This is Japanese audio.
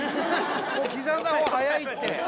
もう刻んだ方が早いって。